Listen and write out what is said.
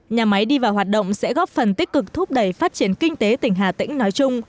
nhà máy đi vào hoạt động sẽ góp phần tích cực thúc đẩy phát triển kinh tế tỉnh hà tĩnh nói chung